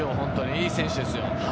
いい選手ですよ。